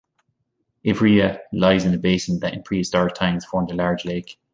Ivrea lies in a basin that in prehistoric times formed a large lake.